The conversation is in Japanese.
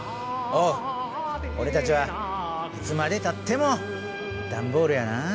おう俺たちはいつまでたってもダンボールやなあ。